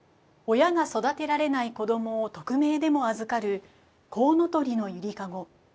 親が育てられない子どもを匿名でも預かるこうのとりのゆりかご。